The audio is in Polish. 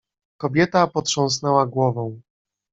"Kobieta potrząsnęła głową."